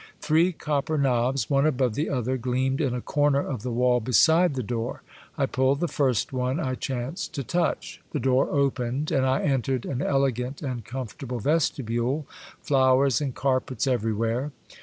Three copper knobs, one above the other, gleamed in a corner of the wall beside the door. I pulled the first one I chanced to touch; the door opened, and I entered an elegant and comfortable vestibule, flowers and carpets every' where.